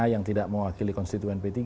yang tidak mewakili konstituen p tiga